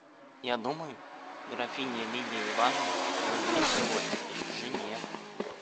Я думаю, графиня Лидия Ивановна ревнует его теперь к жене.